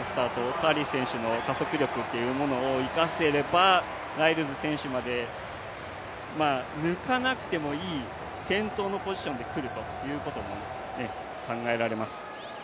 カーリー選手の加速力というものを生かせればライルズ選手まで抜かなくてもいい、先頭のポジションで来るということも考えられます。